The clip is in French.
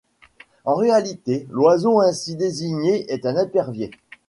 En réalité, l'oiseau ainsi désigné est un épervier.